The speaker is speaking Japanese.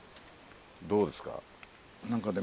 どうですか？